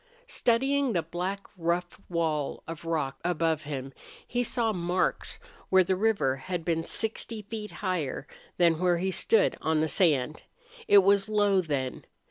Studying the black, rough wall of rock above him, he saw marks where the river had been sixty feet higher than where he stood on the sand. It was low, then.